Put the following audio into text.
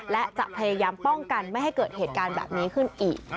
และจะพยายามป้องกันไม่ให้เกิดเหตุการณ์แบบนี้ขึ้นอีก